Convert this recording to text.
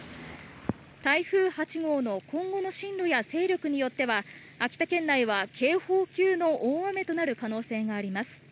台風８号の今後の進路や勢力によっては秋田県内は警報級の大雨となる可能性があります。